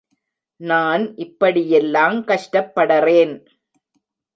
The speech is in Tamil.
நான் இப்படியெல்லாங் கஷ்டப்படறேன்.